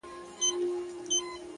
• په نصیب یې وي مېلې د جنتونو ,